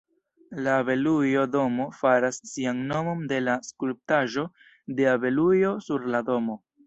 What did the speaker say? La Abelujo-Domo faras sian nomon de la skulptaĵo de abelujo sur la domo.